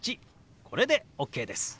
これでＯＫです。